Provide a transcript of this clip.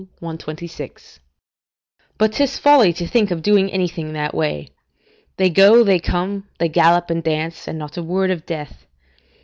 ] But 'tis folly to think of doing anything that way. They go, they come, they gallop and dance, and not a word of death.